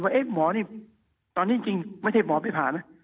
ว่าเอ๊ะหมอนี่ตอนนี้จริงไม่ใช่หมอไปผ่านะ